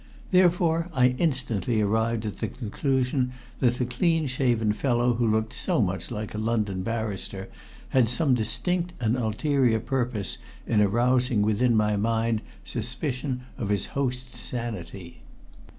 Therefore I instantly arrived at the conclusion that the clean shaven fellow who looked so much like a London barrister had some distinct and ulterior purpose in arousing within my mind suspicion of his host's sanity.